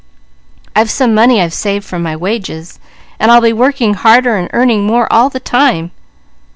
I've some money I've saved from my wages, and I'll be working harder and earning more all the time."